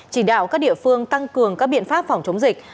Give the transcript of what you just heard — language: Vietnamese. chỉ đạo các địa phương tăng cường các biện pháp phòng chống dịch